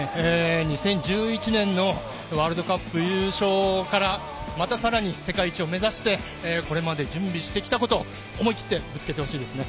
２０１１年のワールドカップ優勝からまたさらに世界一を目指して、これまで準備してきたことを思い切ってぶつけてほしいですね。